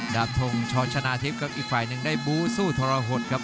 บททงชรชนะทิพย์ครับอีกฝ่ายหนึ่งได้บู้สู้ทรหดครับ